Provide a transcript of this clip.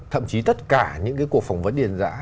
thậm chí tất cả những cái cuộc phỏng vấn điền giã